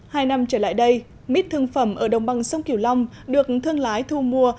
hai năm trở lại đây mít thương phẩm ở đồng bằng sông kiều long được thương lái thu mua